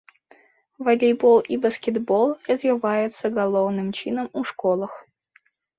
Валейбол і баскетбол развіваецца галоўным чынам у школах.